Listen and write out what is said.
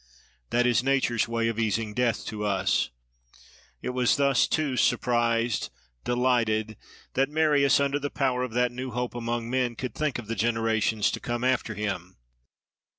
That is nature's way of easing death to us. It was thus too, surprised, delighted, that Marius, under the power of that new hope among men, could think of the generations to come after him.